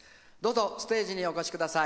ステージにお越しください。